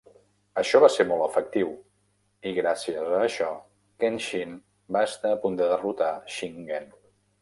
Això va ser molt efectiu i gràcies a això Kenshin va estar a punt de derrotar Shingen.